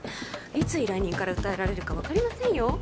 いつ依頼人から訴えられるか分かりませんよ